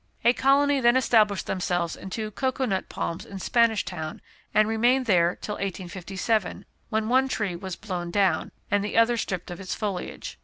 A colony then established themselves in two cocoa nut palms in Spanish Town, and remained there till 1857, when one tree was blown down, and the other stripped of its foliage.